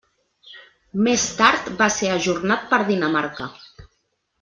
Més tard va ser ajornat per Dinamarca.